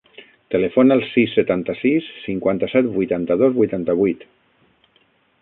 Telefona al sis, setanta-sis, cinquanta-set, vuitanta-dos, vuitanta-vuit.